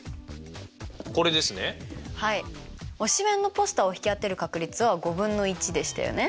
推しメンのポスターを引き当てる確率は５分の１でしたよね。